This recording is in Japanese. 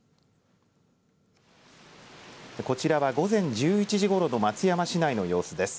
こちらは午前１１時ごろの松山市内の様子です。